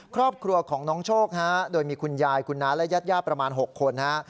ครอบครัวของน้องโชคฮะโดยมีคุณยายคุณน้าและญาติย่าประมาณ๖คนฮะ